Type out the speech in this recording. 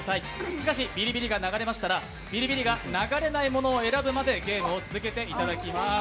しかしビリビリが流れましたらビリビリが流れない物が出るまでゲームを続けていただきます。